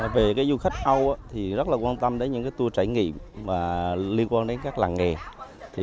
về du khách âu rất quan tâm đến những tour trải nghiệm liên quan đến các làng nghề